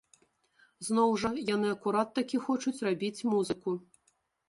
Зноў жа, яны акурат такі хочуць рабіць музыку.